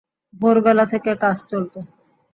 ভোরবেলা থেকে কাজ চলত।